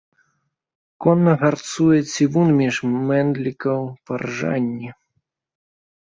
Конна гарцуе цівун між мэндлікаў па ржанні.